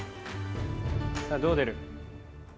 さぁどう出る？